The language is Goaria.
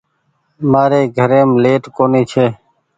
مآري گھريم ليٽ ڪونيٚ ڇي